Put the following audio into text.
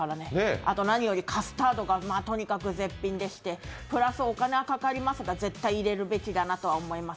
あと何よりカスタードがまあとにかく絶品でしてプラスお金はかかりますが絶対に食べるべきだと思います。